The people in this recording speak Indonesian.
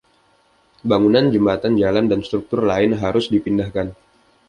Bangunan, jembatan, jalan, dan struktur lain harus dipindahkan.